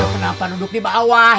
kenapa duduk di bawah